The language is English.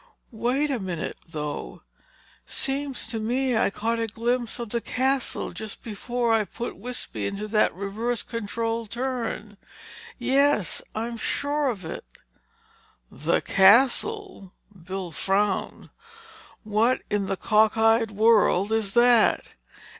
Wait a minute, though—seems to me I caught a glimpse of the Castle just before I put Wispy into that reverse control turn. Yes, I'm sure of it." "The Castle?" Bill frowned. "What in the cock eyed world is that?"